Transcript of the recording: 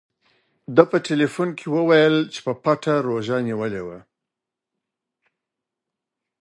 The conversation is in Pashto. ده په ټیلیفون کې وویل چې په پټه روژه نیولې وه.